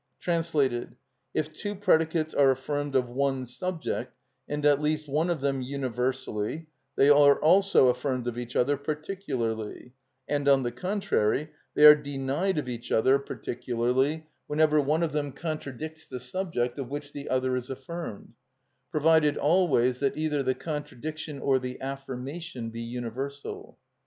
Translated: If two predicates are affirmed of one subject, and at least one of them universally, they are also affirmed of each other particularly; and, on the contrary, they are denied of each other particularly whenever one of them contradicts the subject of which the other is affirmed; provided always that either the contradiction or the affirmation be universal.